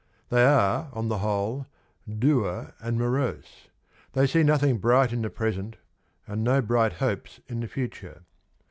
They are, on the whole, dour and morose ; they see nothing bright in the present, and no bright hopes in the future.